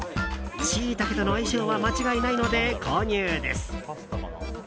シイタケとの相性は間違いないので購入です。